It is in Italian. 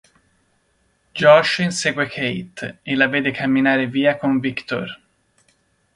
Josh insegue Kate, e la vede camminare via con Viktor.